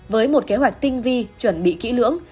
với một kế hoạch tinh vi chuẩn bị kỹ lưỡng